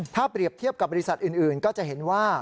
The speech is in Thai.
ถ้าเปรียบเทียบกับบริษัทอื่นก็จะเห็นว่า